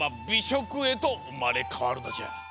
しょくへとうまれかわるのじゃ。